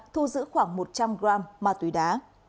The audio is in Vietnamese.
thu giữ khoảng một trăm linh g ma túy đá